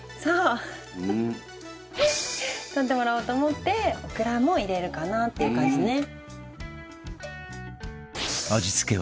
取ってもらおうと思ってオクラも入れるかなっていう感じね。